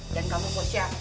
dan kamu pausya